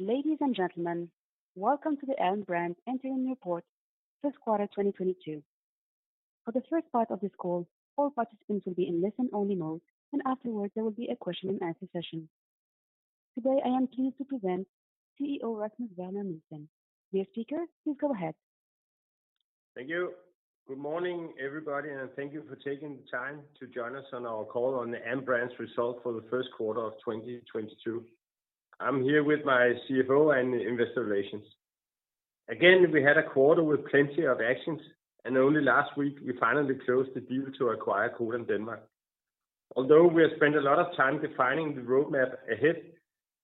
Ladies and gentlemen, welcome to the Alm. Brand Interim Report, first quarter 2022. For the first part of this call, all participants will be in listen only mode, and afterwards there will be a question and answer session. Today, I am pleased to present CEO Rasmus Werner Nielsen. Dear speaker, please go ahead. Thank you. Good morning, everybody, and thank you for taking the time to join us on our call on the Alm. Brand's results for the first quarter of 2022. I'm here with my CFO and investor relations. Again, we had a quarter with plenty of actions, and only last week we finally closed the deal to acquire Codan Denmark. Although we have spent a lot of time defining the roadmap ahead,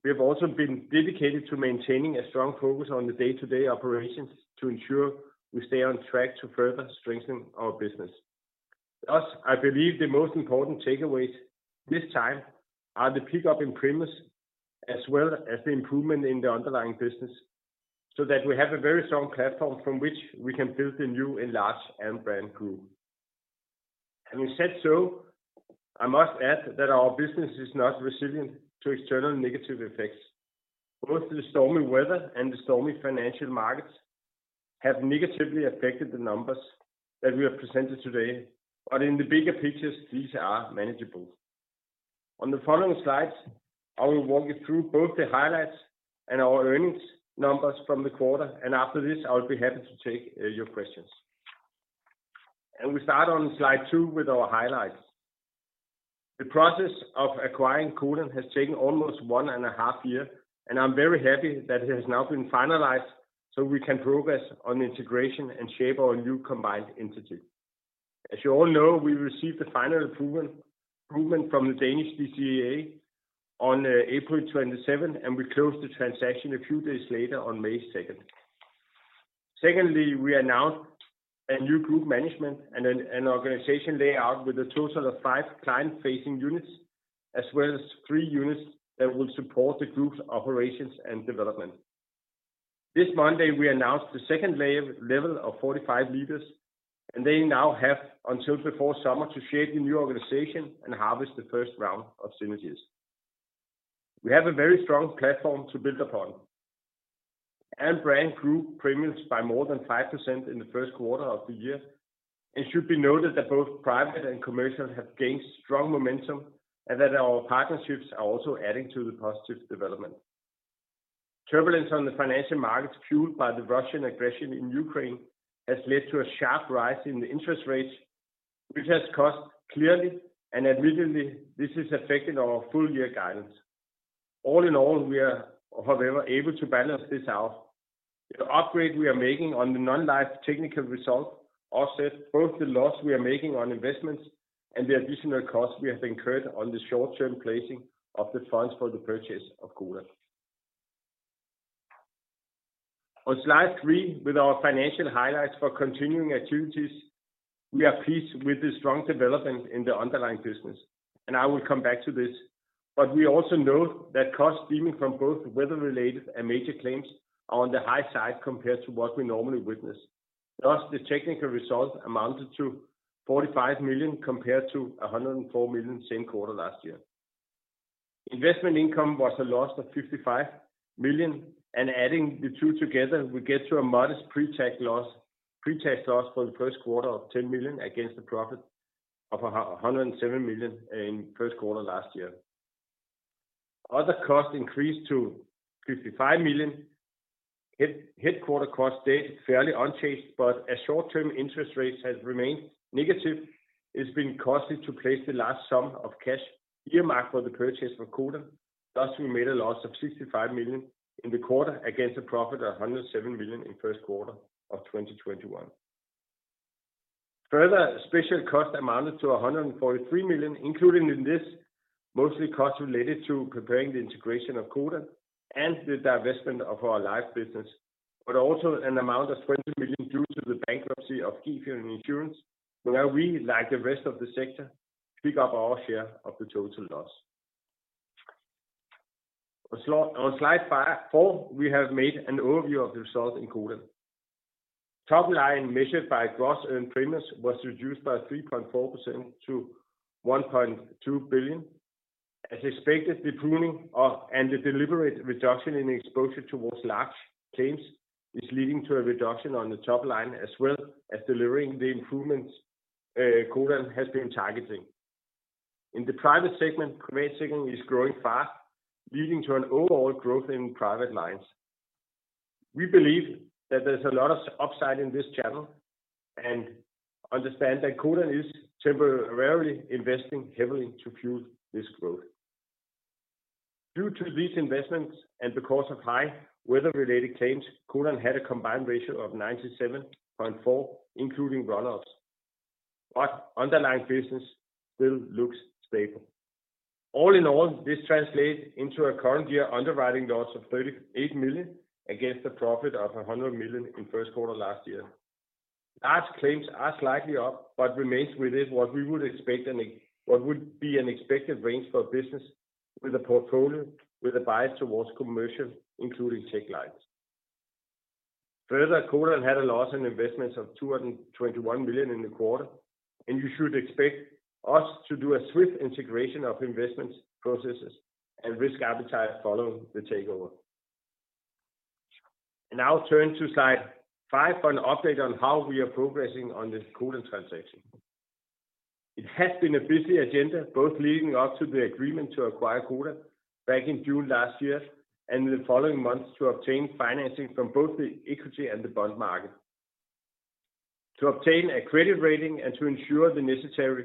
we have also been dedicated to maintaining a strong focus on the day-to-day operations to ensure we stay on track to further strengthen our business. I believe the most important takeaways this time are the pickup in premiums as well as the improvement in the underlying business, so that we have a very strong platform from which we can build the new enlarged Alm. Brand group. Having said so, I must add that our business is not resilient to external negative effects. Both the stormy weather and the stormy financial markets have negatively affected the numbers that we have presented today, but in the bigger picture, these are manageable. On the following slides, I will walk you through both the highlights and our earnings numbers from the quarter, and after this, I'll be happy to take your questions. We start on slide two with our highlights. The process of acquiring Codan has taken almost 1.5 years, and I'm very happy that it has now been finalized, so we can progress on integration and shape our new combined entity. As you all know, we received the final approval from the Danish DCCA on April 27, and we closed the transaction a few days later on May 2. Secondly, we announced a new group management and an organization layout with a total of five client-facing units as well as three units that will support the group's operations and development. This Monday, we announced the second layer of 45 leaders, and they now have until before summer to shape the new organization and harvest the first round of synergies. We have a very strong platform to build upon. Alm. Brand grew premiums by more than 5% in the first quarter of the year, and it should be noted that both private and commercial have gained strong momentum and that our partnerships are also adding to the positive development. Turbulence on the financial markets fueled by the Russian aggression in Ukraine has led to a sharp rise in the interest rates, which has cost dearly. Admittedly, this has affected our full-year guidance. All in all, we are, however, able to balance this out. The upgrade we are making on the non-life technical results offsets both the loss we are making on investments and the additional costs we have incurred on the short-term placing of the funds for the purchase of Codan. On slide three with our financial highlights for continuing activities, we are pleased with the strong development in the underlying business, and I will come back to this. But we also know that costs stemming from both weather-related and major claims are on the high side compared to what we normally witness. Thus, the technical results amounted to 45 million compared to 104 million same quarter last year. Investment income was a loss of 55 million, and adding the two together, we get to a modest pre-tax loss for the first quarter of 10 million against a profit of 107 million in first quarter last year. Other costs increased to 55 million. Headquarter costs stayed fairly unchanged, but as short-term interest rates has remained negative, it's been costly to place the large sum of cash earmarked for the purchase of Codan. Thus, we made a loss of 65 million in the quarter against a profit of 107 million in first quarter of 2021. Further special costs amounted to 143 million, including in this mostly costs related to preparing the integration of Codan and the divestment of our life business, but also an amount of 20 million due to the bankruptcy of Gefion Insurance, where we, like the rest of the sector, pick up our share of the total loss. On slide four, we have made an overview of the results in Codan. Top line measured by gross earned premiums was reduced by 3.4% to 1.2 billion. As expected, the pruning and the deliberate reduction in exposure towards large claims is leading to a reduction on the top line, as well as delivering the improvements Codan has been targeting. In the private segment, Privatsikring is growing fast, leading to an overall growth in private lines. We believe that there's a lot of upside in this channel and understand that Codan is temporarily investing heavily to fuel this growth. Due to these investments and because of high weather-related claims, Codan had a combined ratio of 97.4 including run-offs, but underlying business still looks stable. All in all, this translates into a current year underwriting loss of 38 million against a profit of 100 million in first quarter last year. Large claims are slightly up but remains within what we would expect, an expected range for business with a portfolio with a bias towards commercial including tech lines. Further, Codan had a loss in investments of 221 million in the quarter, and you should expect us to do a swift integration of investments processes and risk appetite following the takeover. Now turn to slide five for an update on how we are progressing on this Codan transaction. It has been a busy agenda, both leading up to the agreement to acquire Codan back in June last year, and in the following months to obtain financing from both the equity and the bond market. To obtain a credit rating and to ensure the necessary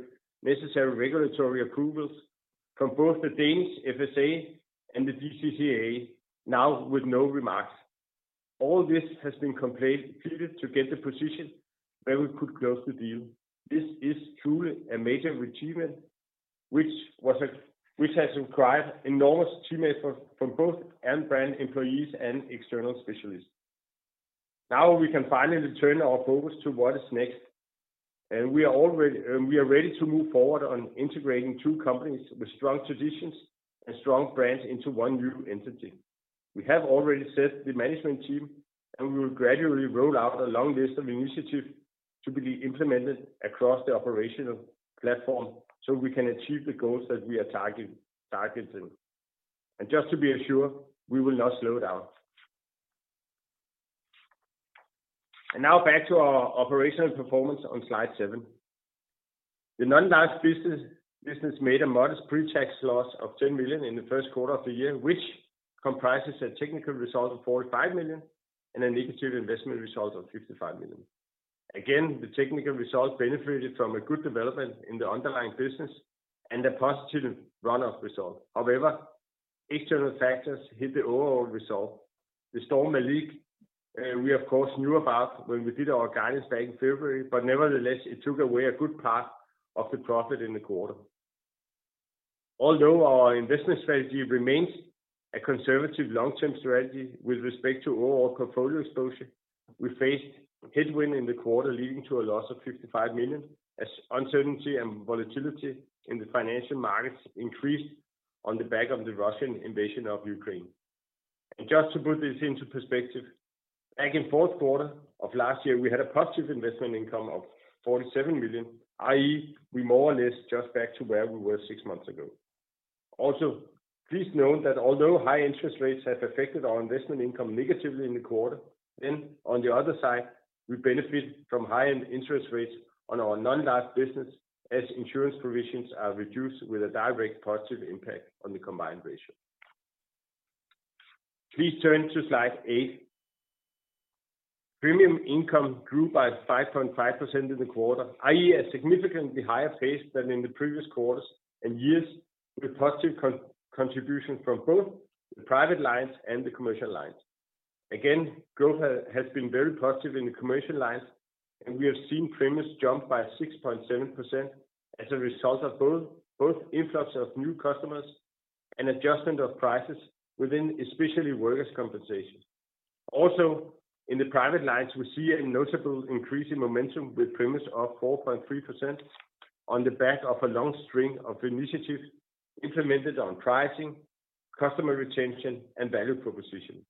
regulatory approvals from both the Danish FSA and the DCCA, now with no remarks. All this has been completed to get the position where we could close the deal. This is truly a major achievement, which has required enormous teamwork from both Alm. Brand employees and external specialists. Now we can finally turn our focus to what is next, and we are ready to move forward on integrating two companies with strong traditions and strong brands into one new entity. We have already set the management team, and we will gradually roll out a long list of initiatives to be implemented across the operational platform, so we can achieve the goals that we are targeting. Just to be assured, we will not slow down. Now back to our operational performance on slide seven. The non-life business made a modest pre-tax loss of 10 million in the first quarter of the year, which comprises a technical result of 45 million and a negative investment result of 55 million. Again, the technical result benefited from a good development in the underlying business and a positive run-off result. However, external factors hit the overall result. The storm Malik, we of course knew about when we did our guidance back in February, but nevertheless, it took away a good part of the profit in the quarter. Although our investment strategy remains a conservative long-term strategy with respect to overall portfolio exposure, we faced headwind in the quarter leading to a loss of 55 million as uncertainty and volatility in the financial markets increased on the back of the Russian invasion of Ukraine. Just to put this into perspective, back in fourth quarter of last year, we had a positive investment income of 47 million, i.e. we more or less just back to where we were six months ago. Also, please note that although high interest rates have affected our investment income negatively in the quarter, then on the other side, we benefit from high interest rates on our non-life business as insurance provisions are reduced with a direct positive impact on the combined ratio. Please turn to slide eight. Premium income grew by 5.5% in the quarter, i.e. a significantly higher pace than in the previous quarters and years with positive contribution from both the private lines and the commercial lines. Again, growth has been very positive in the commercial lines, and we have seen premiums jump by 6.7% as a result of both influx of new customers and adjustment of prices within especially workers' compensation. In the private lines, we see a notable increase in momentum with premiums up 4.3% on the back of a long string of initiatives implemented on pricing, customer retention, and value proposition.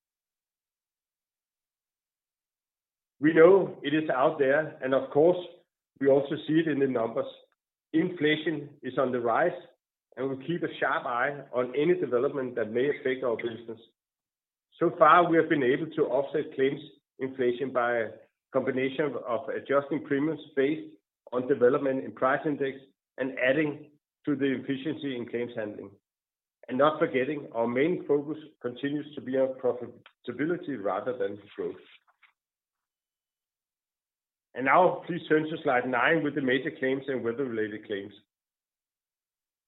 We know it is out there, and of course, we also see it in the numbers. Inflation is on the rise, and we keep a sharp eye on any development that may affect our business. So far, we have been able to offset claims inflation by a combination of adjusting premiums based on development in price index and adding to the efficiency in claims handling. Not forgetting our main focus continues to be on profitability rather than growth. Now please turn to slide nine with the major claims and weather-related claims.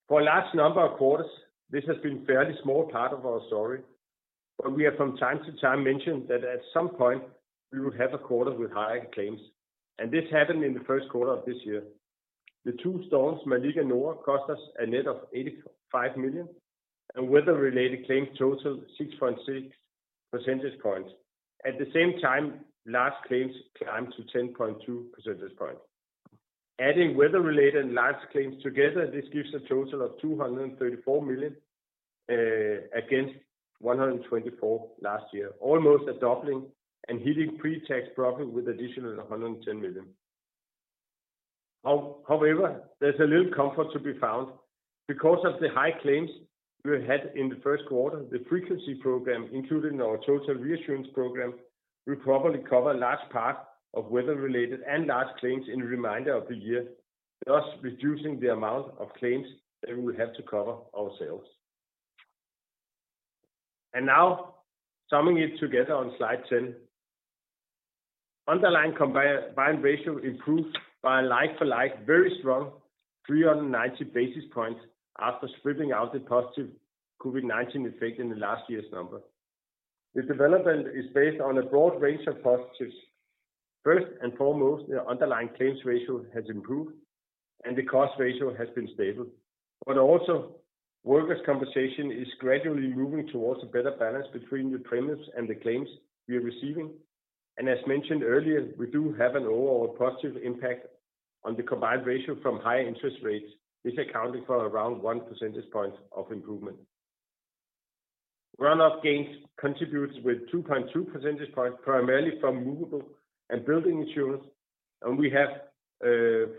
For a large number of quarters, this has been a fairly small part of our story, but we have from time to time mentioned that at some point, we would have a quarter with higher claims. This happened in the first quarter of this year. The two storms, Malik and Nora, cost us a net of 85 million, and weather-related claims totaled 6.6 percentage points. At the same time, large claims climbed to 10.2 percentage points. Adding weather-related and large claims together, this gives a total of 234 million against 124 million last year, almost a doubling and hitting pre-tax profit with additional 110 million. However, there's a little comfort to be found. Because of the high claims we had in the first quarter, the frequency program included in our total reinsurance program will probably cover large part of weather-related and large claims in the remainder of the year, thus reducing the amount of claims that we will have to cover ourselves. Now summing it together on slide 10. Underlying combined ratio improved by a like for like very strong 390 basis points after stripping out the positive COVID-19 effect in the last year's number. This development is based on a broad range of positives. First and foremost, the underlying claims ratio has improved, and the cost ratio has been stable. Also, workers' compensation is gradually moving towards a better balance between the premiums and the claims we are receiving. As mentioned earlier, we do have an overall positive impact on the combined ratio from high interest rates, this accounting for around one percentage point of improvement. Run-off gains contributes with 2.2 percentage points, primarily from movable and building insurance. We have,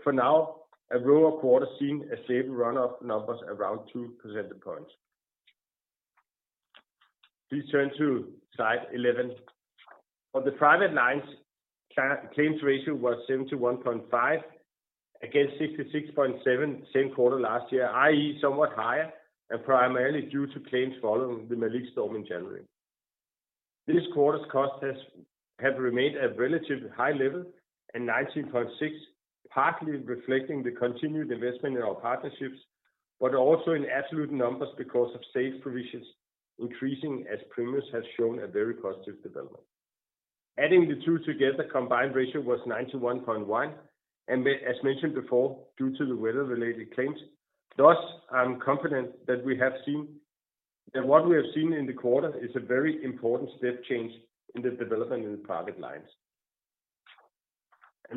for now, a row of quarters seeing a stable run-off numbers around two percentage points. Please turn to slide 11. On the private lines, claims ratio was 71.5 against 66.7 same quarter last year, i.e., somewhat higher and primarily due to claims following the Malik storm in January. This quarter's cost has remained at relatively high level at 19.6, partly reflecting the continued investment in our partnerships, but also in absolute numbers because of safe provisions increasing as premiums has shown a very positive development. Adding the two together, combined ratio was 91.1, and as mentioned before, due to the weather-related claims. Thus, I'm confident that what we have seen in the quarter is a very important step change in the development in the private lines.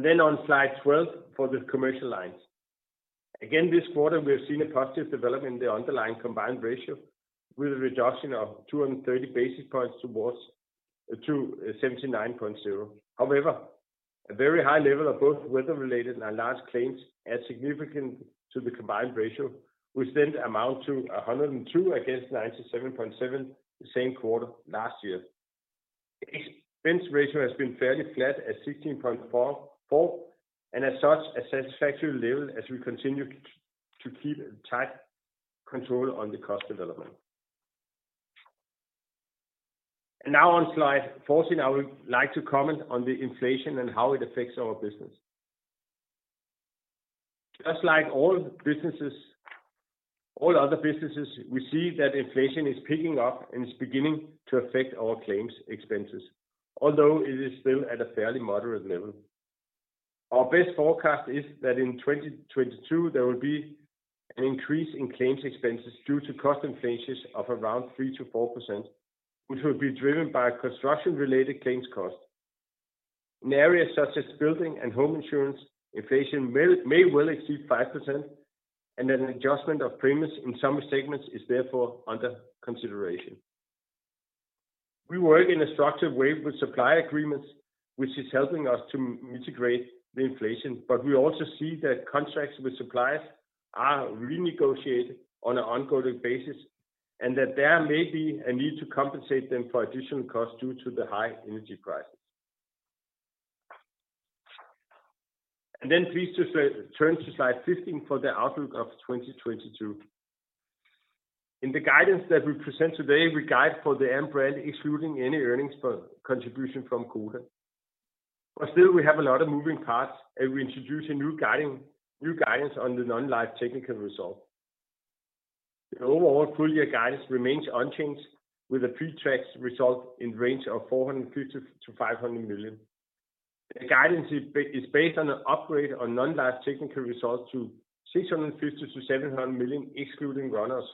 Then on slide 12 for the commercial lines. Again, this quarter, we have seen a positive development in the underlying combined ratio with a reduction of 230 basis points towards to 79.0. However, a very high level of both weather-related and large claims as significant to the combined ratio, which then amount to 102 against 97.7 the same quarter last year. Expense ratio has been fairly flat at 16.44, and as such, a satisfactory level as we continue to keep tight control on the cost development. Now on slide 14, I would like to comment on the inflation and how it affects our business. Just like all other businesses, we see that inflation is picking up and is beginning to affect our claims expenses, although it is still at a fairly moderate level. Our best forecast is that in 2022, there will be an increase in claims expenses due to cost inflations of around 3%-4%, which will be driven by construction-related claims costs. In areas such as building and home insurance, inflation may well exceed 5%, and an adjustment of premiums in some segments is therefore under consideration. We work in a structured way with supply agreements, which is helping us to mitigate the inflation. We also see that contracts with suppliers are renegotiated on an ongoing basis, and that there may be a need to compensate them for additional costs due to the high energy prices. Then please just turn to slide 15 for the outlook of 2022. In the guidance that we present today, we guide for Alm. Brand excluding any earnings contribution from Codan. Still, we have a lot of moving parts, and we introduce a new guidance on the non-life technical result. The overall full-year guidance remains unchanged with a pre-tax result in range of 450 million-500 million. The guidance is based on an upgrade on non-life technical results to 650 million-700 million, excluding run-offs,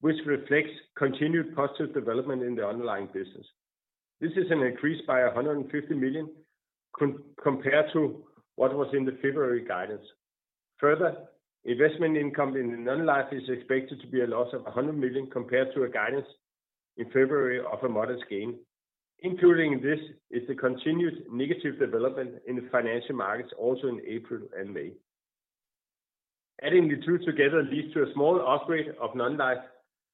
which reflects continued positive development in the underlying business. This is an increase by 150 million compared to what was in the February guidance. Further, investment income in the non-life is expected to be a loss of 100 million compared to a guidance in February of a modest gain, including this is a continued negative development in the financial markets also in April and May. Adding the two together leads to a small upgrade of non-life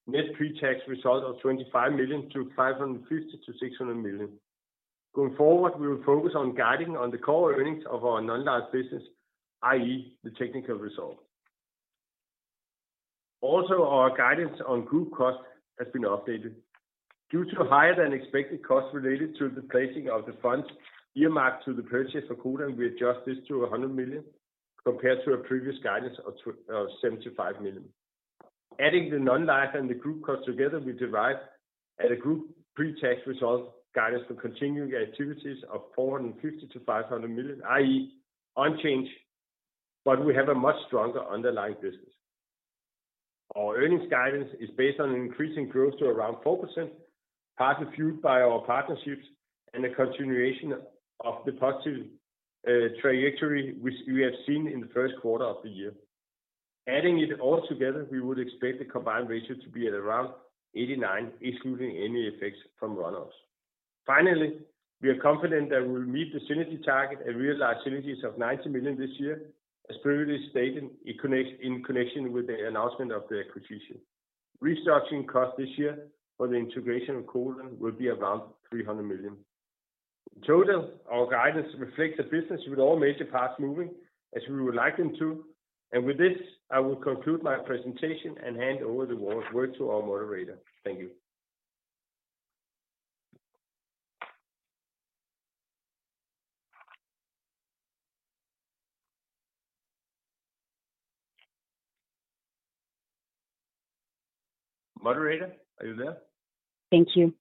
net pre-tax result of 25 million to 550 million-600 million. Going forward, we will focus on guiding on the core earnings of our non-life business, i.e., the technical result. Also, our guidance on group cost has been updated. Due to higher than expected costs related to the placing of the funds earmarked to the purchase of Codan, we adjust this to 100 million compared to a previous guidance of of 75 million. Adding the non-life and the group cost together, we derive at a group pre-tax result guidance for continuing activities of 450 million-500 million, i.e., unchanged, but we have a much stronger underlying business. Our earnings guidance is based on an increasing growth to around 4%, partly fueled by our partnerships and a continuation of the positive trajectory which we have seen in the first quarter of the year. Adding it all together, we would expect the combined ratio to be at around 89%, excluding any effects from run-offs. Finally, we are confident that we will meet the synergy target and realize synergies of 90 million this year, as previously stated in connection with the announcement of the acquisition. Restructuring costs this year for the integration of Codan will be around 300 million. In total, our guidance reflects a business with all major parts moving as we would like them to. With this, I will conclude my presentation and hand over the word to our moderator. Thank you. Moderator, are you there? Thank you.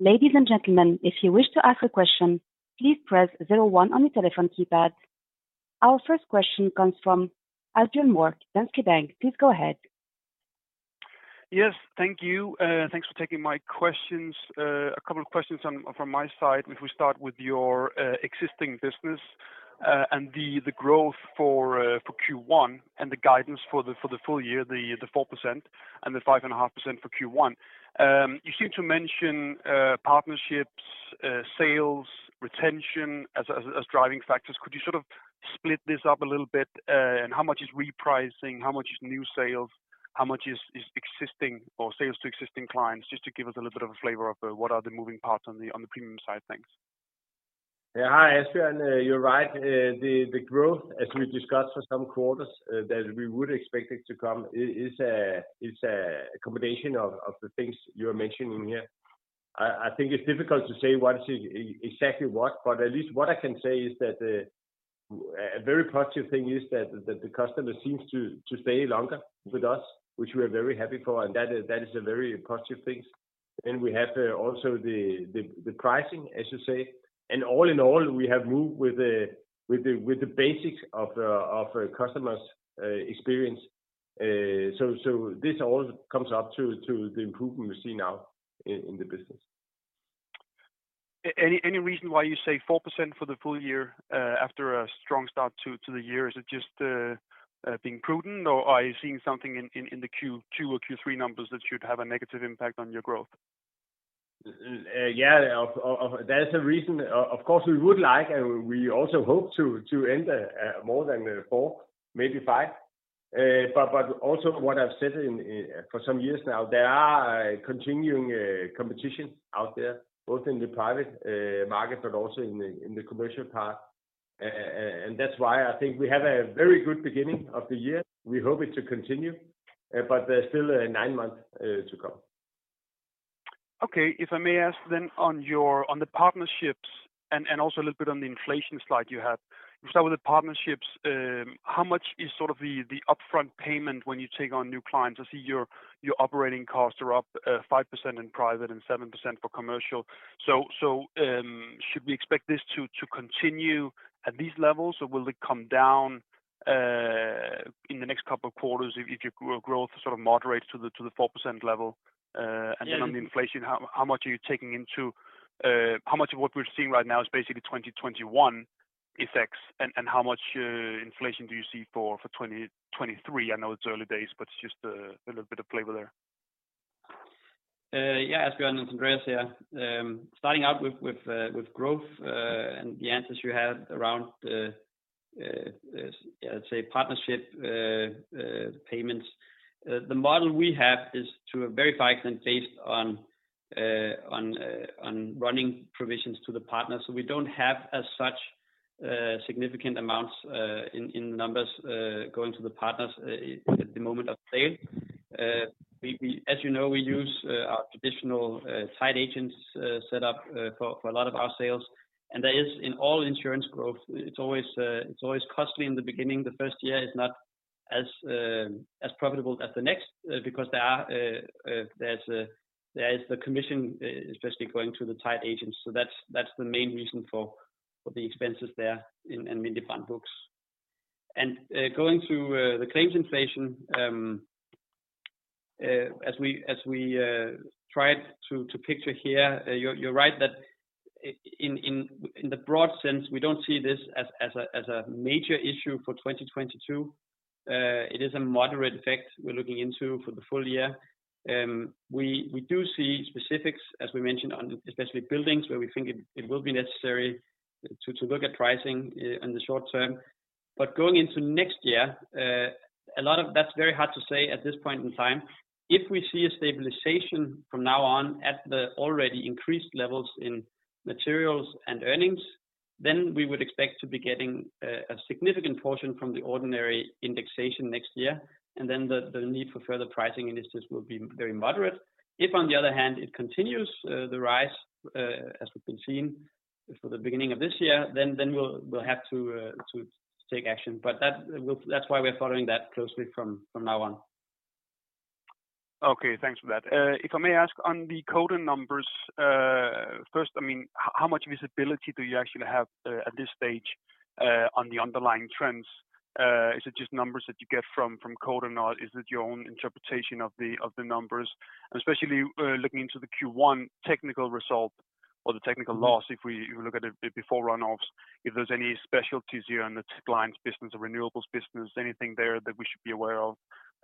Ladies and gentlemen, if you wish to ask a question, please press zero one on your telephone keypad. Our first question comes from Asbjørn Mørk, Danske Bank. Please go ahead. Yes. Thank you. Thanks for taking my questions. A couple of questions from my side, if we start with your existing business. The growth for Q1 and the guidance for the full year, the 4% and the 5.5% for Q1. You seem to mention partnerships, sales, retention as driving factors. Could you sort of split this up a little bit? How much is repricing? How much is new sales? How much is existing or sales to existing clients? Just to give us a little bit of a flavor of what are the moving parts on the premium side. Thanks. Yeah. Hi, Asbjørn, and you're right. The growth as we discussed for some quarters that we would expect it to come is a combination of the things you're mentioning here. I think it's difficult to say what is exactly what, but at least what I can say is that a very positive thing is that the customer seems to stay longer with us, which we are very happy for. That is a very positive things. We have also the pricing, as you say. All in all, we have moved with the basics of customer's experience. This all comes up to the improvement we see now in the business. Any reason why you say 4% for the full year, being prudent, or are you seeing something in the Q2 or Q3 numbers that should have a negative impact on your growth? That is a reason. Of course, we would like, and we also hope to end more than four, maybe five. Also what I've said for some years now, there are continuing competition out there, both in the private market but also in the commercial part. That's why I think we have a very good beginning of the year. We hope it to continue, but there's still nine months to come. If I may ask on the partnerships and also a little bit on the inflation slide you have. We'll start with the partnerships. How much is sort of the upfront payment when you take on new clients? I see your operating costs are up 5% in private and 7% for commercial. So should we expect this to continue at these levels, or will it come down in the next couple of quarters if your growth sort of moderates to the 4% level? On the inflation, how much of what we're seeing right now is basically 2021 effects, and how much inflation do you see for 2023? I know it's early days, but just a little bit of flavor there. Yeah. Asbjørn, Andreas here. Starting out with growth and the answers you had around, let's say partnership payments. The model we have is to a very high extent based on running provisions to the partners. So we don't have as such significant amounts in numbers going to the partners at the moment of sale. As you know, we use our traditional tied agents set up for a lot of our sales. That is in all insurance growth. It's always costly in the beginning. The first year is not as profitable as the next because there is the commission especially going to the tied agents. That's the main reason for the expenses there in management's books. Going through the claims inflation, as we tried to picture here, you're right that in the broad sense, we don't see this as a major issue for 2022. It is a moderate effect we're looking into for the full year. We do see specifics, as we mentioned on especially buildings, where we think it will be necessary to look at pricing in the short term. Going into next year, a lot of that's very hard to say at this point in time. If we see a stabilization from now on at the already increased levels in materials and earnings, then we would expect to be getting a significant portion from the ordinary indexation next year, and then the need for further pricing initiatives will be very moderate. If on the other hand, it continues the rise as we've been seeing for the beginning of this year, then we'll have to take action. That's why we're following that closely from now on. Okay, thanks for that. If I may ask on the Codan numbers, first, I mean, how much visibility do you actually have at this stage on the underlying trends? Is it just numbers that you get from Codan or is it your own interpretation of the numbers? Especially, looking into the Q1 technical result or the technical loss, if we look at it before run-off, if there's any specialties here on the clients business or renewables business, anything there that we should be aware of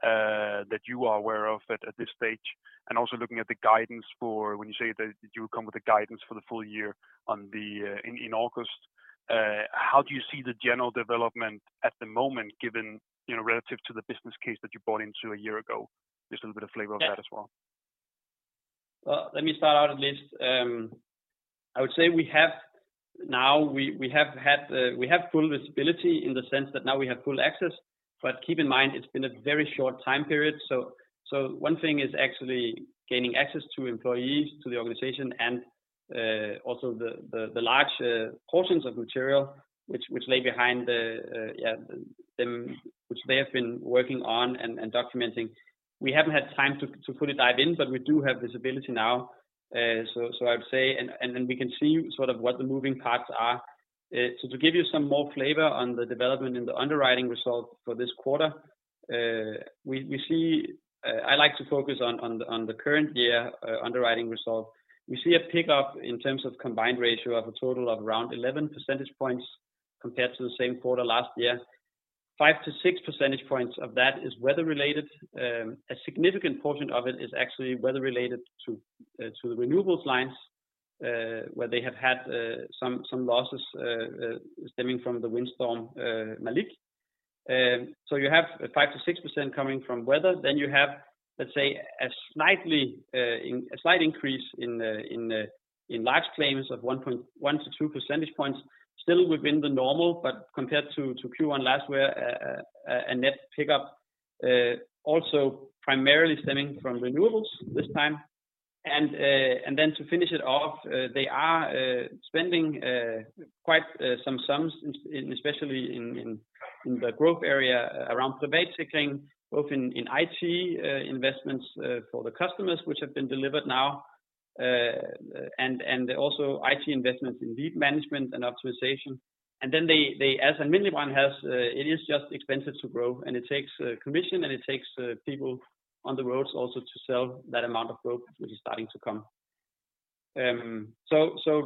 that you are aware of at this stage? Also looking at the guidance for when you say that you will come with a guidance for the full year in August, how do you see the general development at the moment given, you know, relative to the business case that you bought into a year ago? Just a little bit of flavor of that as well. Well, let me start out at least. I would say we have full visibility in the sense that now we have full access. Keep in mind, it's been a very short time period. One thing is actually gaining access to employees, to the organization and also the large portions of material which lay behind them, which they have been working on and documenting. We haven't had time to fully dive in, but we do have visibility now. I would say we can see sort of what the moving parts are. To give you some more flavor on the development in the underwriting result for this quarter. We see, I like to focus on the current year underwriting result. We see a pickup in terms of combined ratio of a total of around 11 percentage points compared to the same quarter last year. 5-6 percentage points of that is weather-related. A significant portion of it is actually weather related to the renewables lines, where they have had some losses stemming from the windstorm Malik. You have 5%-6% coming from weather. You have, let's say, a slight increase in large claims of 1-2 percentage points still within the normal, but compared to Q1 last year, a net pickup, also primarily stemming from renewables this time. To finish it off, they are spending quite some sums, especially in the growth area around Privatsikring, both in IT investments for the customers which have been delivered now, and also IT investments in lead management and optimization. They, as Alm. Brand has, it is just expensive to grow, and it takes commission, and it takes people on the roads also to sell that amount of growth which is starting to come.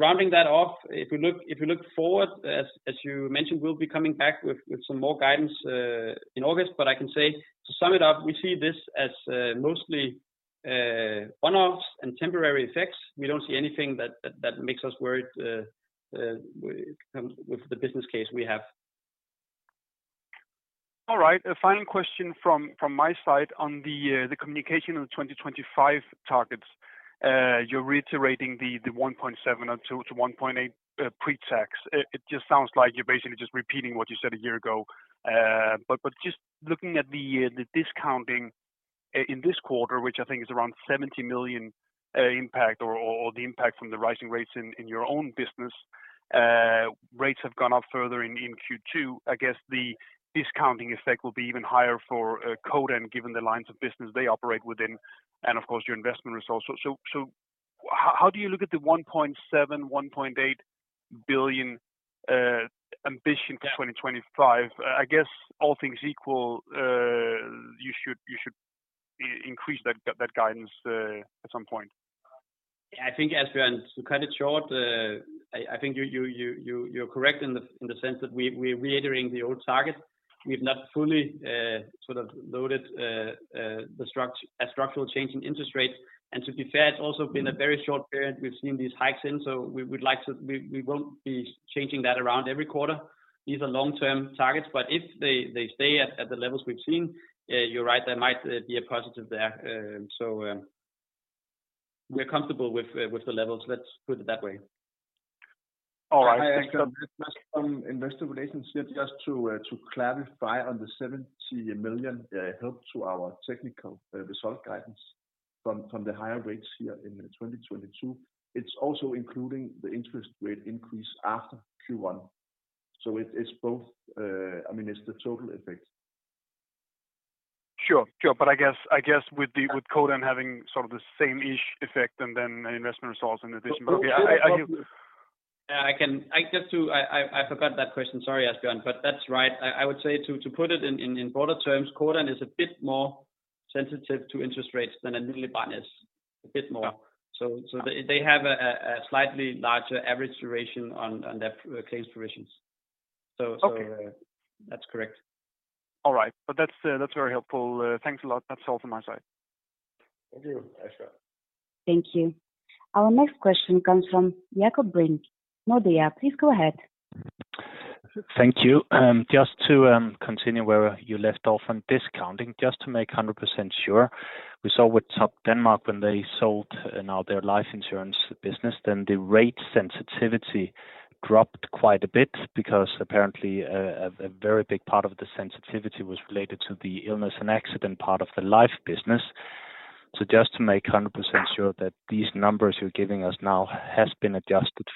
Rounding that off, if you look forward, as you mentioned, we'll be coming back with some more guidance in August, but I can say to sum it up, we see this as mostly one-offs and temporary effects. We don't see anything that makes us worried with the business case we have. All right. A final question from my side on the communication of 2025 targets. You're reiterating the 1.7 or 2 to 1.8 pre-tax. It just sounds like you're basically just repeating what you said a year ago. But just looking at the discounting in this quarter, which I think is around 70 million impact or the impact from the rising rates in your own business. Rates have gone up further in Q2. I guess the discounting effect will be even higher for Codan, given the lines of business they operate within, and of course, your investment results. How do you look at the 1.7, 1.8 billion ambition for 2025? I guess all things equal, you should increase that guidance at some point. Yeah, I think as we are to cut it short, I think you're correct in the sense that we're reiterating the old target. We've not fully sort of loaded a structural change in interest rates. To be fair, it's also been a very short period we've seen these hikes in, so we won't be changing that around every quarter. These are long-term targets, but if they stay at the levels we've seen, you're right, there might be a positive there. We're comfortable with the levels. Let's put it that way. All right. Hi, Christian. It's from investor relations here just to clarify on the 70 million help to our technical result guidance from the higher rates here in 2022. It's also including the interest rate increase after Q1. It's both. I mean, it's the total effect. Sure, sure. I guess with Codan having sort of the same-ish effect and then investment results in addition. Yeah, are you? I forgot that question. Sorry, Asbjørn. That's right. I would say to put it in broader terms, Codan is a bit more sensitive to interest rates than Alm. Brand is. A bit more. They have a slightly larger average duration on their case provisions. Okay. That's correct. All right. That's very helpful. Thanks a lot. That's all from my side. Thank you, Asbjørn. Thank you. Our next question comes from Jakob Brink, Nordea. Please go ahead. Thank you. Just to continue where you left off on discounting, just to make 100% sure. We saw with Topdanmark when they sold now their life insurance business, then the rate sensitivity dropped quite a bit because apparently a very big part of the sensitivity was related to the illness and accident part of the life business. Just to make 100% sure that these numbers you're giving us now has been adjusted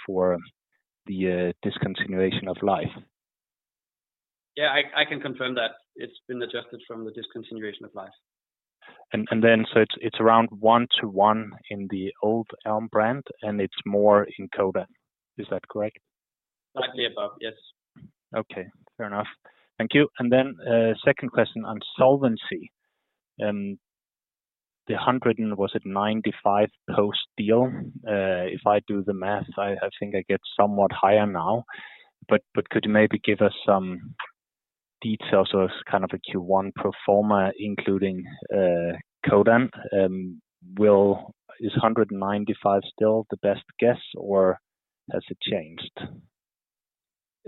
for the discontinuation of life. Yeah, I can confirm that it's been adjusted from the discontinuation of life. It's around one to one in the old Alm. Brand, and it's more in Codan. Is that correct? Slightly above, yes. Okay, fair enough. Thank you. Second question on solvency. The 195, was it 195 post-deal, if I do the math, I think I get somewhat higher now. Could you maybe give us some details or kind of a Q1 pro forma including Codan? Is 195 still the best guess, or has it changed?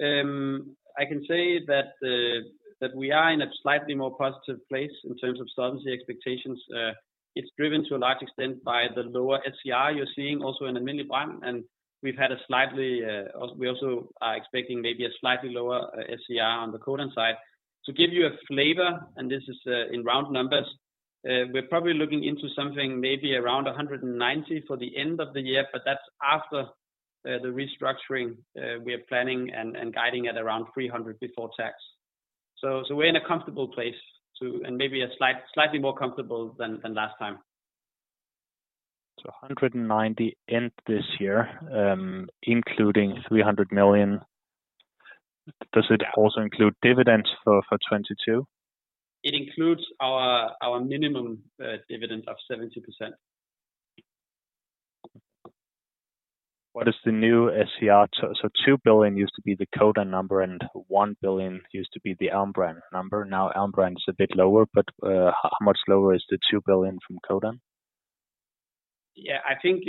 I can say that we are in a slightly more positive place in terms of solvency expectations. It's driven to a large extent by the lower SCR you're seeing also in Alm. Brand, and we also are expecting maybe a slightly lower SCR on the Codan side. To give you a flavor, and this is in round numbers, we're probably looking into something maybe around 190% for the end of the year, but that's after the restructuring. We are planning and guiding at around 300% before tax. We're in a comfortable place and maybe slightly more comfortable than last time. 190 in this year, including 300 million. Does it also include dividends for 2022? It includes our minimum dividend of 70%. What is the new SCR? Two billion used to be the Codan number, and one billion used to be the Alm. Brand number. Now Alm. Brand is a bit lower, but how much lower is the 2 billion from Codan? Yeah, I think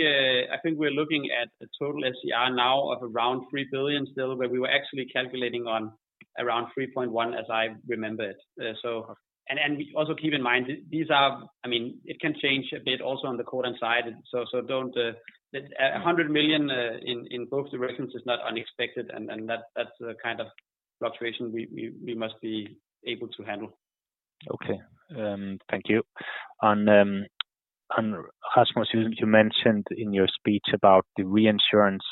we're looking at a total SCR now of around 3 billion still, but we were actually calculating on around 3.1 billion as I remember it. We also keep in mind these are. I mean, it can change a bit also on the Codan side. A hundred million in both directions is not unexpected and that's the kind of fluctuation we must be able to handle. Okay. Thank you. Rasmus, you mentioned in your speech about the reinsurance,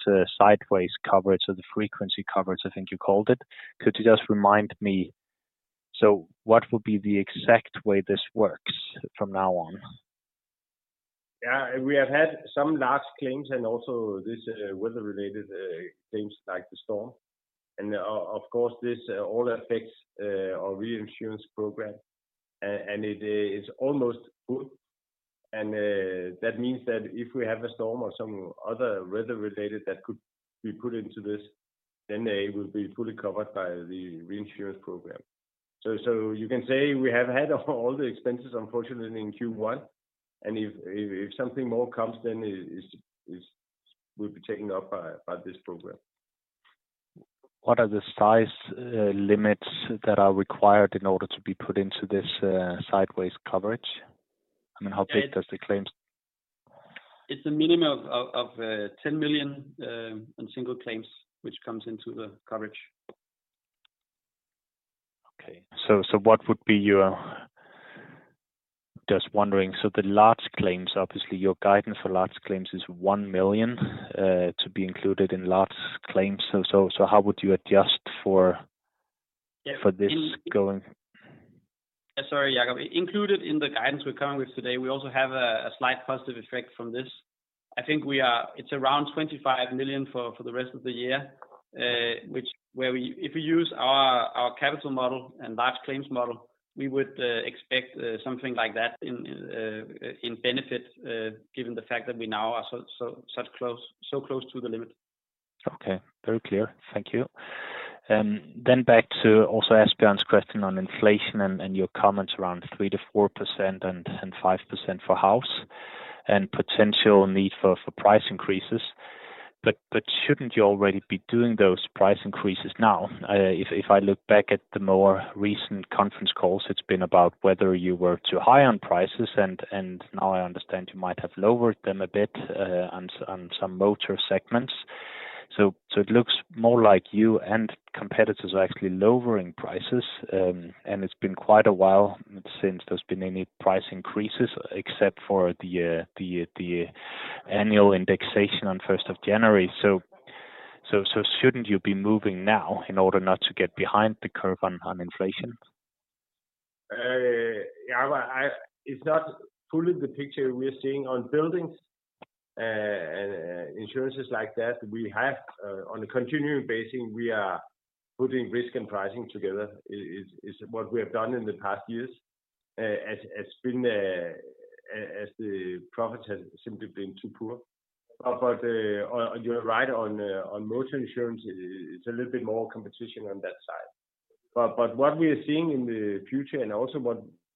sideways coverage or the frequency coverage, I think you called it. Could you just remind me, so what would be the exact way this works from now on? Yeah. We have had some large claims and also this, weather-related claims like the storm. Of course, this all affects our reinsurance program. It is almost full. That means that if we have a storm or some other weather-related that could be put into this, then they will be fully covered by the reinsurance program. You can say we have had all the expenses unfortunately in Q1. If something more comes then it will be taken up by this program. What are the size, limits that are required in order to be put into this, sideways coverage? I mean, how big does the claims- It's a minimum of 10 million on single claims which comes into the coverage. Just wondering, so the large claims, obviously, your guidance for large claims is 1 million to be included in large claims. How would you adjust for- Yeah. For this going? Sorry, Jakob. Included in the guidance we're coming with today, we also have a slight positive effect from this. I think it's around 25 million for the rest of the year. Which, if we use our capital model and large claims model, we would expect something like that in benefit, given the fact that we now are so close to the limit. Okay. Very clear. Thank you. Back to also Asbjørn's question on inflation and your comments around 3%-4% and 5% for house and potential need for price increases. Shouldn't you already be doing those price increases now? If I look back at the more recent conference calls, it's been about whether you were too high on prices and now I understand you might have lowered them a bit on some motor segments. Shouldn't you be moving now in order not to get behind the curve on inflation? It's not fully the picture we are seeing on buildings and insurances like that. We have on a continuing basis, we are putting risk and pricing together is what we have done in the past years. As has been, the profits has simply been too poor. You're right on motor insurance. It's a little bit more competition on that side. What we are seeing in the future and also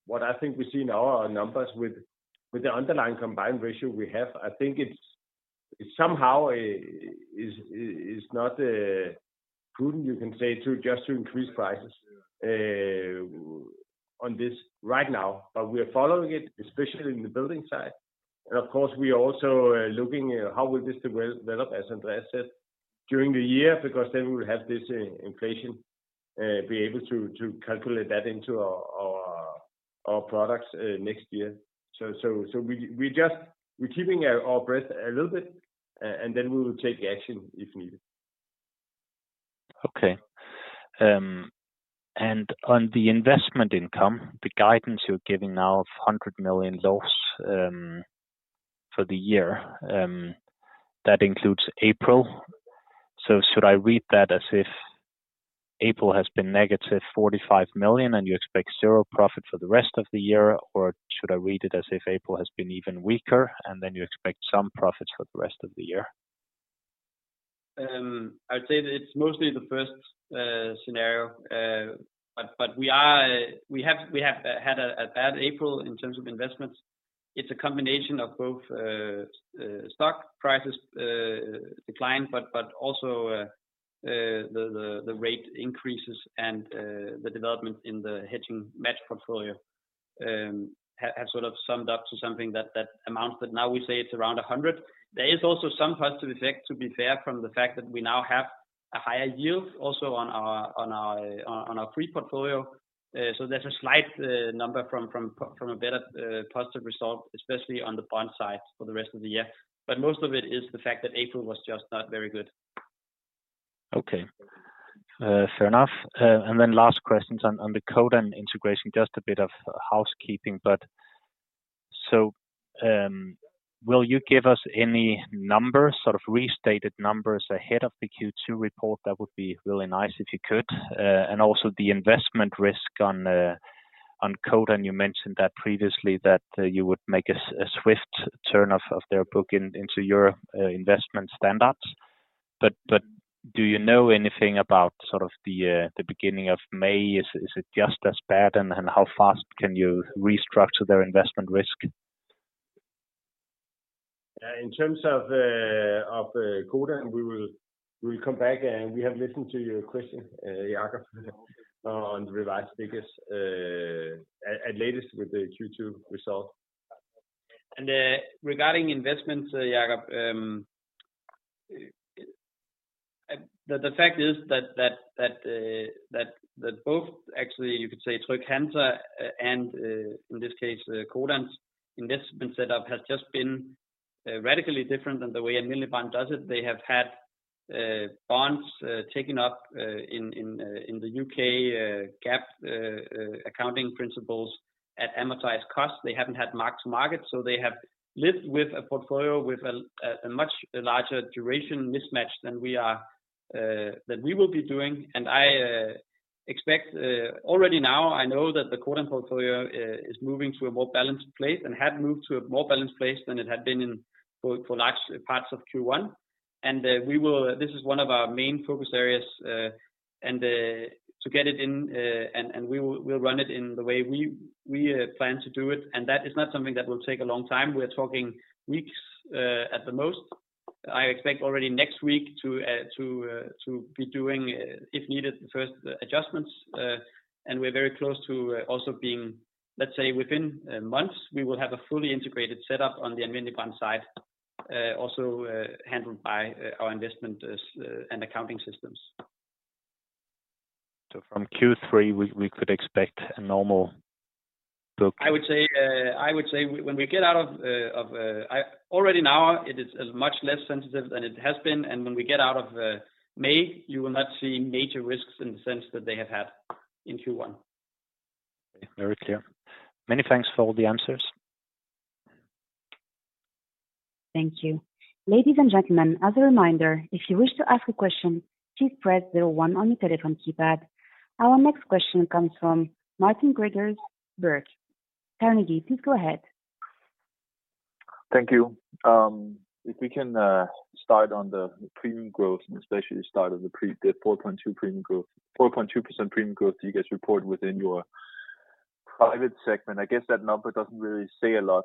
what I think we see now on numbers with the underlying combined ratio we have, I think it's somehow is not prudent, you can say to just increase prices on this right now. We are following it, especially in the building side. Of course, we are also looking how will this develop, as Andreas said, during the year, because then we will have this inflation be able to calculate that into our products next year. We just we're keeping our breath a little bit and then we will take action if needed. Okay. On the investment income, the guidance you're giving now of 100 million loss for the year, that includes April. Should I read that as if April has been negative 45 million and you expect 0 profit for the rest of the year? Or should I read it as if April has been even weaker and then you expect some profits for the rest of the year? I'd say that it's mostly the first scenario. We have had a bad April in terms of investments. It's a combination of both, stock price decline, but also the rate increases and the development in the hedge-matched portfolio, have sort of summed up to something that now amounts to around 100. There is also some positive effect, to be fair, from the fact that we now have a higher yield also on our free portfolio. So there's a slight number from a better positive result, especially on the bond side for the rest of the year. Most of it is the fact that April was just not very good. Okay. Fair enough. Last question on the Codan integration, just a bit of housekeeping. Will you give us any numbers, sort of restated numbers ahead of the Q2 report? That would be really nice if you could. Also the investment risk on Codan, you mentioned that previously you would make a swift turn of their book into your investment standards. Do you know anything about sort of the beginning of May? Is it just as bad? How fast can you restructure their investment risk? In terms of Codan, we will come back, and we have listened to your question, Jacob, on the revised figures, at latest with the Q2 results. Regarding investments, Jacob, the fact is that both actually you could say Trygg-Hansa and in this case, Codan's investment setup has just been radically different than the way Nykredit does it. They have had bonds taken up in the UK GAAP accounting principles at amortized cost. They haven't had mark to market, so they have lived with a portfolio with a much larger duration mismatch than we will be doing. I expect already now I know that the Codan portfolio is moving to a more balanced place and had moved to a more balanced place than it had been in for large parts of Q1. This is one of our main focus areas, and to get it in, and we will run it in the way we plan to do it. That is not something that will take a long time. We're talking weeks at the most. I expect already next week to be doing, if needed, the first adjustments. We're very close to also being, let's say within months, we will have a fully integrated setup on the Nykredit side, also handled by our investment and accounting systems. From Q3, we could expect a normal book. I would say when we get out of COVID already now it is much less sensitive than it has been. When we get out of May, you will not see major risks in the sense that they have had in Q1. Very clear. Many thanks for all the answers. Thank you. Ladies and gentlemen, as a reminder, if you wish to ask a question, please press zero one on your telephone keypad. Our next question comes from Martin Gregers Birk, Carnegie. Please go ahead. Thank you. If we can start on the premium growth and especially the 4.2% premium growth. 4.2% premium growth you guys report within your private segment. I guess that number doesn't really say a lot,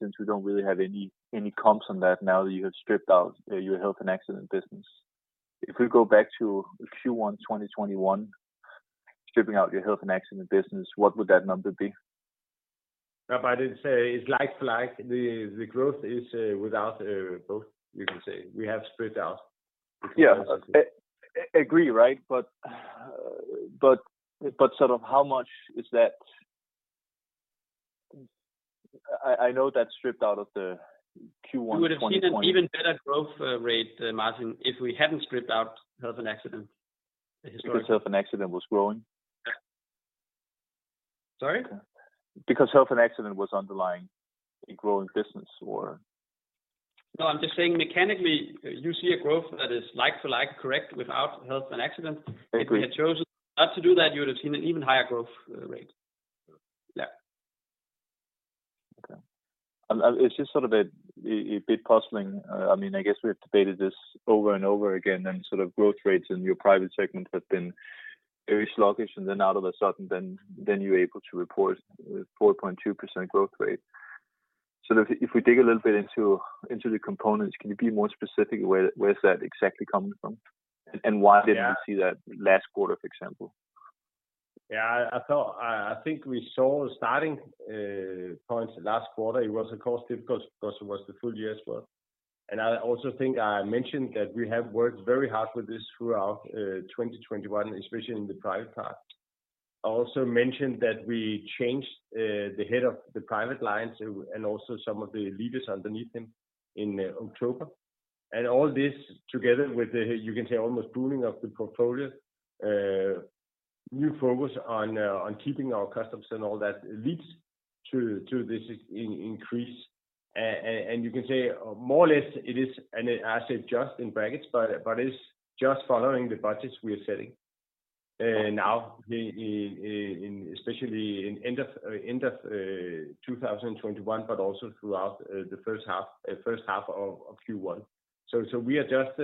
since we don't really have any comps on that now that you have stripped out your health and accident business. If we go back to Q1 2021, stripping out your health and accident business, what would that number be? I didn't say it's like for like. The growth is without both you can say. We have stripped out. Yeah. Agree, right. Sort of how much is that? I know that's stripped out of the Q1 2020- You would have seen an even better growth rate, Martin, if we hadn't stripped out health and accident historically. Because health and accident was growing? Sorry? Because health and accident was underlying a growing business or. No, I'm just saying mechanically, you see a growth that is like for like, correct, without health and accident. Agree. If we had chosen not to do that, you would have seen an even higher growth rate. Yeah. Okay. It's just sort of a bit puzzling. I mean, I guess we've debated this over and over again, and sort of growth rates in your private segment have been very sluggish and then all of a sudden, then you're able to report 4.2% growth rate. If we dig a little bit into the components, can you be more specific where is that exactly coming from? And why didn't we see that last quarter, for example? Yeah. I thought, I think we saw starting points last quarter. It was of course difficult because it was the full year as well. I also think I mentioned that we have worked very hard with this throughout 2021, especially in the private part. I also mentioned that we changed the head of the private lines and also some of the leaders underneath him in October. All this together with the, you can say almost pruning of the portfolio, new focus on keeping our customers and all that leads to this increase. You can say more or less it is, and as I said just in brackets, but it's just following the budgets we are setting. Now, especially in end of 2021, but also throughout the first half of Q1. We are just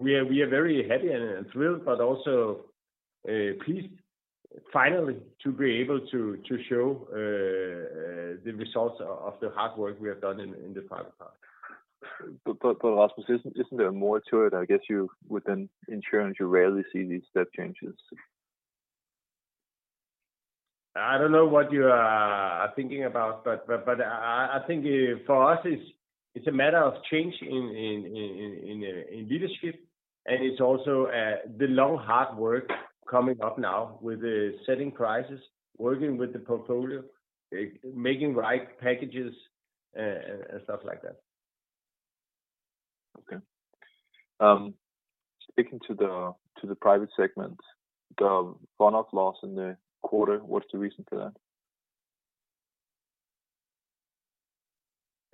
very happy and thrilled but also pleased finally to be able to show the results of the hard work we have done in Privatsikring. Rasmus, isn't there more to it? I guess you within insurance, you rarely see these step changes. I don't know what you are thinking about, but I think for us, it's a matter of change in leadership. It's also the long hard work coming up now with the setting prices, working with the portfolio, making right packages. Stuff like that. Okay, speaking to the private segment, the run-off loss in the quarter, what's the reason for that?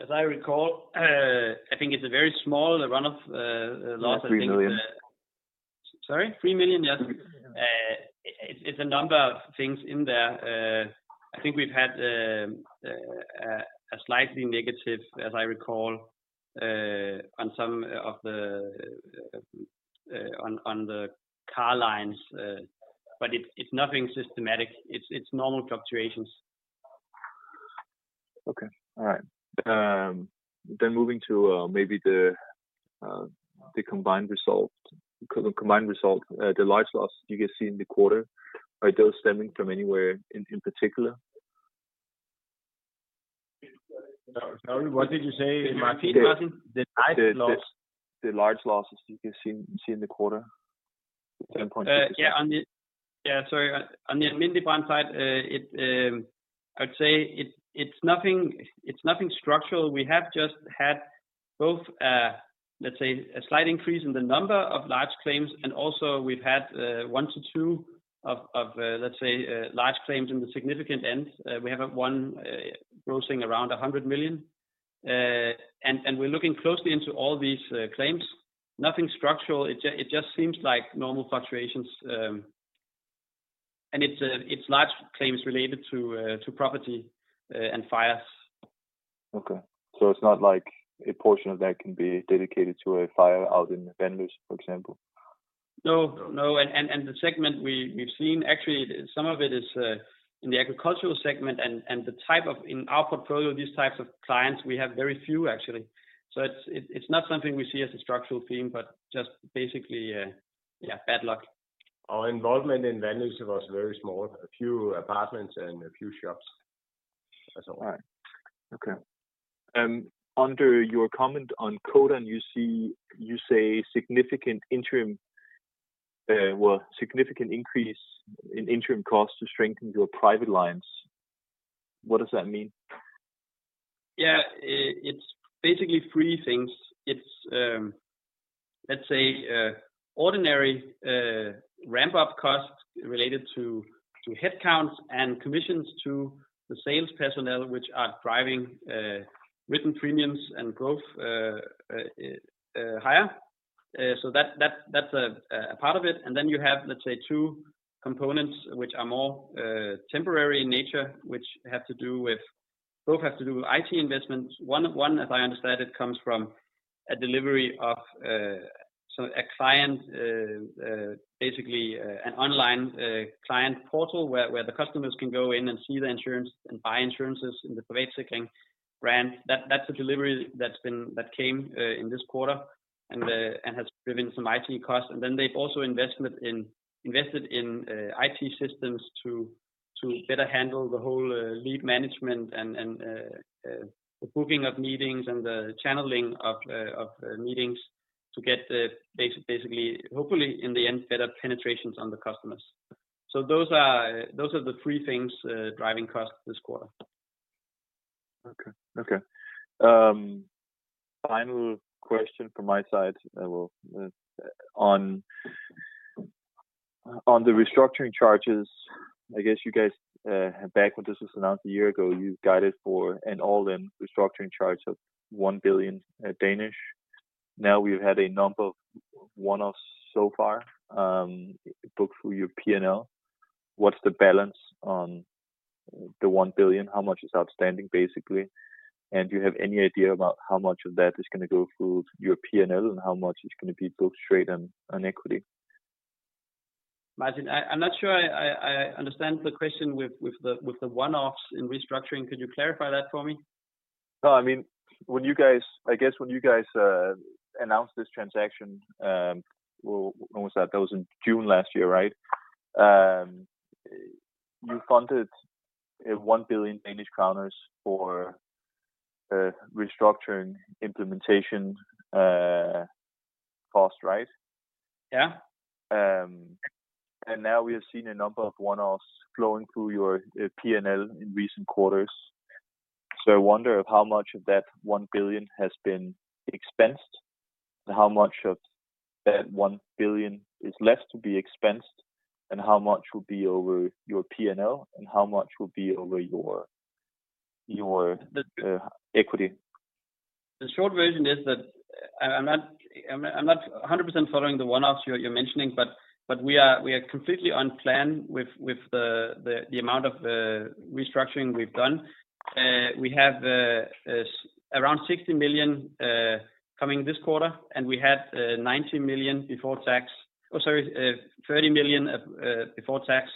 As I recall, I think it's a very small run-off loss. 3 million. Sorry? 3 million, yes. It's a number of things in there. I think we've had a slightly negative, as I recall, on some of the car lines. But it's nothing systematic. It's normal fluctuations. Okay. All right. Moving to maybe the combined ratio. The combined ratio, the large loss you can see in the quarter, are those stemming from anywhere in particular? Sorry, what did you say, Martin? The, the- I didn't hear. The large loss. The large losses you can see in the quarter. On the Indebank side, I'd say it's nothing structural. We have just had both, let's say a slight increase in the number of large claims and also we've had 1-2 of large claims in the significant end. We have one grossing around 100 million. And we're looking closely into all these claims. Nothing structural. It just seems like normal fluctuations. It's large claims related to property and fires. Okay. It's not like a portion of that can be dedicated to a fire out in Vanløse, for example? No, no. The segment we've seen actually some of it is in the agricultural segment and in our portfolio, these types of clients, we have very few actually. It's not something we see as a structural theme, but just basically, yeah, bad luck. Our involvement in Vanløse was very small, a few apartments and a few shops. That's all. Right. Okay. Under your comment on Codan, you see, you say significant increase in interim costs to strengthen your private lines. What does that mean? Yeah. It's basically three things. It's let's say ordinary ramp-up costs related to headcounts and commissions to the sales personnel which are driving written premiums and growth higher. That's a part of it. You have let's say two components which are more temporary in nature, which both have to do with IT investments. One, as I understand it, comes from a delivery of an online client portal where the customers can go in and see the insurance and buy insurances in the Privatsikring brand. That's a delivery that came in this quarter and has driven some IT costs. They've also invested in IT systems to better handle the whole lead management and the booking of meetings and the channeling of meetings to get basically, hopefully in the end, better penetrations on the customers. Those are the three things driving costs this quarter. Final question from my side. On the restructuring charges, I guess you guys back when this was announced a year ago, you guided for an all-in restructuring charge of 1 billion. Now, we've had a number of one-offs so far, booked through your P&L. What's the balance on the 1 billion? How much is outstanding basically? And do you have any idea about how much of that is gonna go through your P&L and how much is gonna be booked straight on equity? Martin, I'm not sure I understand the question with the one-offs in restructuring. Could you clarify that for me? No, I mean, when you guys, I guess, announced this transaction, when was that? That was in June last year, right? You funded 1 billion for restructuring implementation cost, right? Yeah. Now we have seen a number of one-offs flowing through your P&L in recent quarters. I wonder how much of that 1 billion has been expensed, and how much of that 1 billion is left to be expensed, and how much will be over your P&L, and how much will be over your equity? The short version is that I'm not 100% following the one-offs you're mentioning, but we are completely on plan with the amount of restructuring we've done. We have around 60 million coming this quarter, and we had 90 million before tax. Oh, sorry, 30 million before tax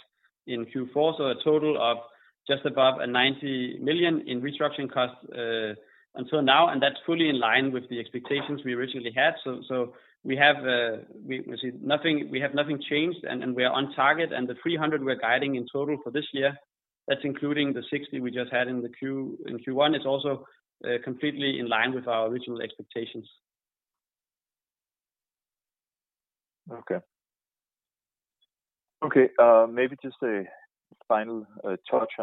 in Q4, so a total of just above 90 million in restructuring costs until now, and that's fully in line with the expectations we originally had. We have nothing changed and we are on target. The 300 we are guiding in total for this year, that's including the 60 we just had in Q1. It's also completely in line with our original expectations. Okay, maybe just a final touch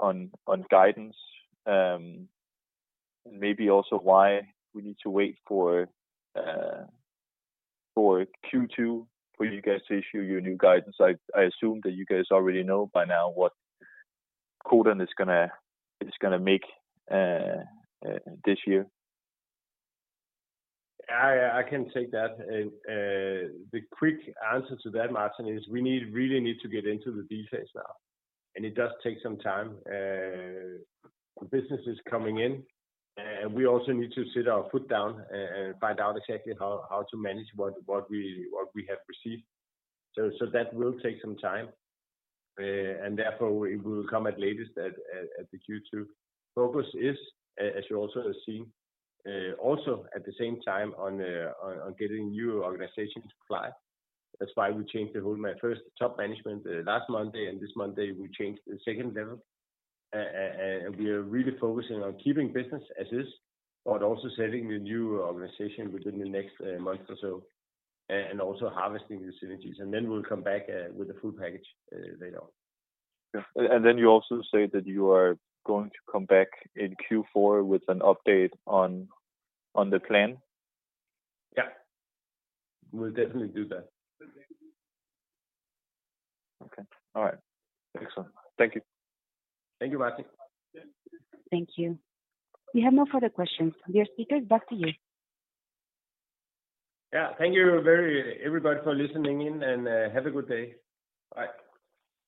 on guidance. Maybe also why we need to wait for Q2 for you guys to issue your new guidance. I assume that you guys already know by now what Codan is gonna make this year. I can take that. The quick answer to that, Martin, is we really need to get into the details now, and it does take some time. Business is coming in, and we also need to set our foot down and find out exactly how to manage what we have received. That will take some time. Therefore, it will come at latest at the Q2. Focus is, as you also have seen, also at the same time on getting new organization to fly. That's why we changed the whole my first top management last Monday, and this Monday we changed the second level. We are really focusing on keeping business as is, but also setting the new organization within the next month or so, and also harvesting the synergies. We'll come back with a full package later on. Yeah. You also say that you are going to come back in Q4 with an update on the plan? Yeah. We'll definitely do that. Okay. All right. Excellent. Thank you. Thank you, Martin. Thank you. Thank you. We have no further questions. Dear speakers, back to you. Yeah. Thank you everybody for listening in, and have a good day. Bye.